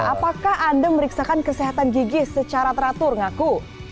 apakah anda meriksakan kesehatan gigi secara teratur ngaku